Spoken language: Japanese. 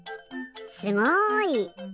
すごい！